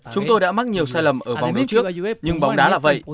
chúng tôi đã mắc nhiều sai lầm ở vòng đi trước nhưng bóng đá là vậy